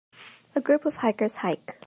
a group of hikers hike.